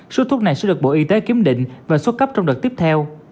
số thuốc này sẽ được bộ y tế kiếm định và xuất cấp trong đợt tiếp theo